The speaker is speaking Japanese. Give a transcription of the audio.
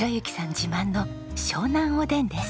自慢の湘南おでんです。